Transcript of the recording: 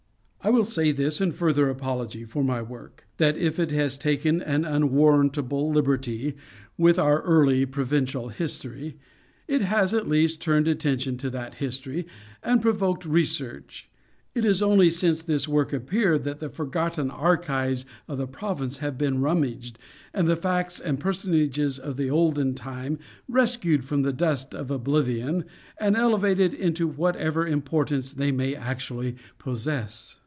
I will say this in further apology for my work: that if it has taken an unwarrantable liberty with our early provincial history, it has at least turned attention to that history, and provoked research. It is only since this work appeared that the forgotten archives of the province have been rummaged, and the facts and personages of the olden time rescued from the dust of oblivion, and elevated into whatever importance they may actually possess.